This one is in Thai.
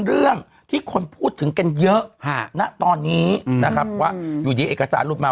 เรื่องที่คนพูดถึงกันเยอะณตอนนี้นะครับว่าอยู่ดีเอกสารหลุดมา